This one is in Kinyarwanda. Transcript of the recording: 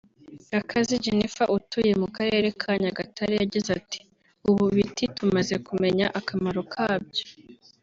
Gakazi Jennifer utuye mu karere ka Nyagatare yagize ati” ubu ibiti tumaze kumenya akamaro kabyo